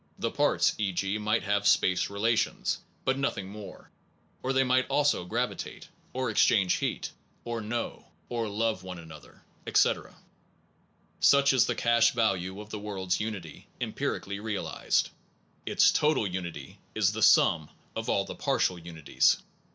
The parts, e. g., might have space relations, but nothing more; or they might also gravitate; or 132 THE ONE AND THE MANY exchange heat; or know, or love one another, etc.) Such is the cash value of the world s unity, empirically realized. Its total unity is the sum of all the partial unities.